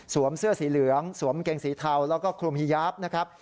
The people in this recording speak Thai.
เสื้อสีเหลืองสวมกางเกงสีเทาแล้วก็คลุมฮียาฟนะครับ